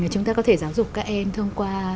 chúng ta có thể giáo dục các em thông qua